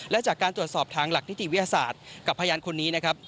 และจากการตรวจสอบทางหลักนิติวิทยาศาสตร์กับพยานคนนี้นะครับ